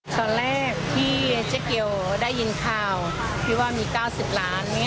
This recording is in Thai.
ตอนแรกที่เจ๊เกียวได้ยินข่าวที่ว่ามี๙๐ล้าน